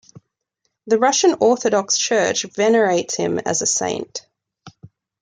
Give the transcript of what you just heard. The Russian Orthodox church venerates him as a saint.